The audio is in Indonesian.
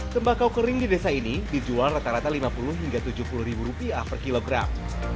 tembakau kering di desa ini dijual rata rata lima puluh hingga rp tujuh puluh ribu rupiah per kilogram